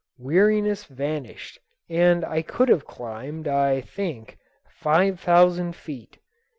Weariness vanished and I could have climbed, I think, five thousand feet.